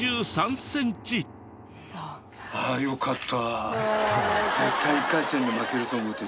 あっよかった。